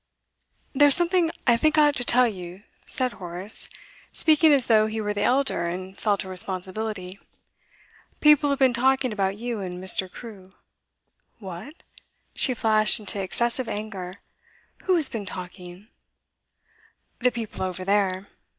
'There's something I think I ought to tell you,' said Horace, speaking as though he were the elder and felt a responsibility. 'People have been talking about you and Mr. Crewe.' 'What!' She flashed into excessive anger. 'Who has been talking?' 'The people over there.